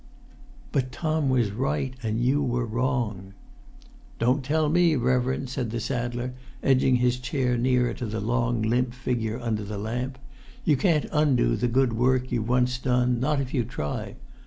'" "But Tom was right, and you were wrong." "Don't tell me, reverend," said the saddler, edging his chair nearer to the long limp figure under the lamp. "You can't undo the good you've once done, not if you try.